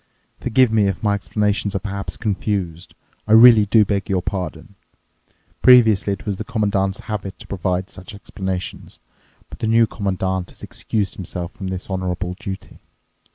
"Forgive me if my explanations are perhaps confused. I really do beg your pardon. Previously it was the Commandant's habit to provide such explanations. But the New Commandant has excused himself from this honourable duty.